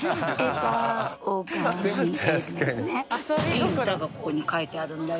いい歌がここに書いてあるんだよ。